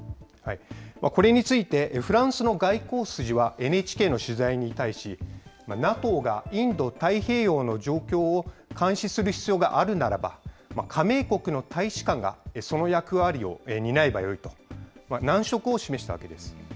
これについて、フランスの外交筋はＮＨＫの取材に対し、ＮＡＴＯがインド太平洋の状況を監視する必要があるならば、加盟国の大使館がその役割を担えばよいと、難色を示したわけです。